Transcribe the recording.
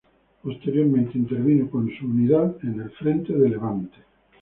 Posteriormente intervino con su unidad en el frente de Levante.